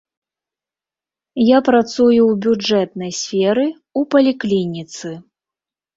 Я працую ў бюджэтнай сферы, у паліклініцы.